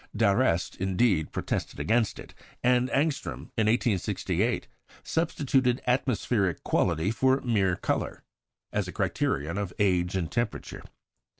D'Arrest, indeed, protested against it, and Ångström, in 1868, substituted atmospheric quality for mere colour as a criterion of age and temperature.